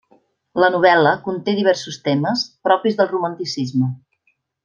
La novel·la conté diversos temes propis del romanticisme.